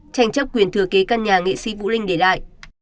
tranh chấp quyền thừa kế căn nhà nghệ sĩ vũ linh để lại